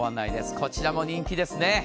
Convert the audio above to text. こちらも人気ですね。